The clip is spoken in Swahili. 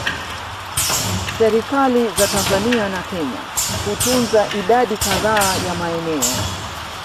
Serikali za Tanzania na Kenya hutunza idadi kadhaa ya maeneo